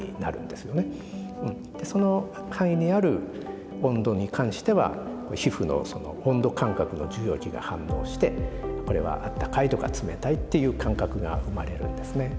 その範囲にある温度に関しては皮膚の温度感覚の受容器が反応してこれはあったかいとか冷たいっていう感覚が生まれるんですね。